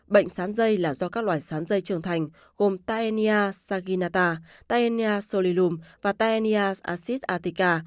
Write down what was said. bệnh sán dây là do các loài sán dây trường thành gồm taenia saginata taenia solilum và taenia asis artica